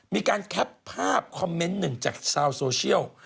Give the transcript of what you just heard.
มีการแคปภาพคอมเมนต์หนึ่งจากชาวโซเชียล